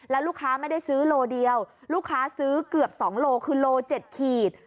แล้วลูกค้าไม่ได้ซื้อโลเดียวลูกค้าซื้อเกือบ๒โลคือโล๗ขีด